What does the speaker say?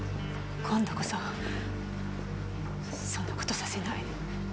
今度こそそんな事させない。